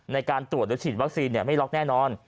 หรือฉีดวัคซีนไม่ล็อกแน่นอน